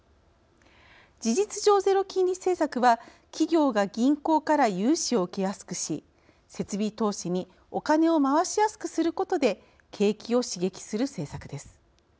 事実上ゼロ金利政策は企業が銀行から融資を受けやすくし設備投資におカネを回しやすくすることで景気を刺激する政策です。